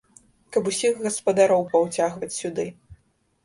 Каб усіх гаспадароў паўцягваць сюды.